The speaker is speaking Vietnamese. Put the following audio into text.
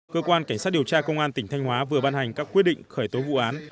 cơ quan cảnh sát điều tra công an tỉnh thanh hóa vừa ban hành các quyết định khởi tố vụ án